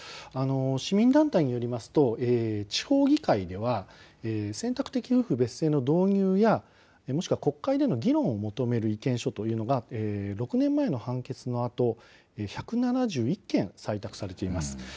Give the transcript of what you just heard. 市民団体によりますと地方議会では選択的夫婦別姓の導入やもしくは国会での議論を求める意見書というのが６年前の判決のあと１７１件採択されています。